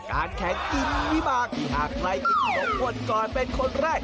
การแข่งกินวิบากที่หากใครผิดสองคนก่อนเป็นคนแรก